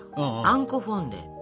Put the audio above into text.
あんこフォンデュ。